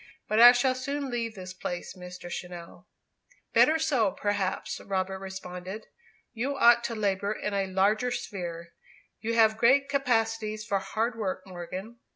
"But I shall soon leave this place, Mr. Channell." "Better so, perhaps," Robert responded. "You ought to labour in a larger sphere. You have great capacities for hard work, Morgan."